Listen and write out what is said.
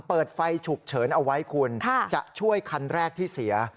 เปิดไฟฉุกเฉินเอาไว้คุณจะช่วยคันแรกที่เสีย